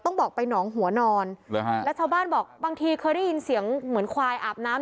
ต้องบอกไปหนองหัวนอนเลยฮะแล้วชาวบ้านบอกบางทีเคยได้ยินเสียงเหมือนควายอาบน้ำ